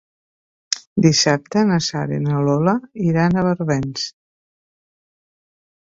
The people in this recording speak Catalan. Dissabte na Sara i na Lola iran a Barbens.